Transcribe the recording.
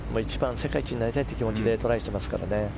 世界一になりたいという気持ちでトライしていますから。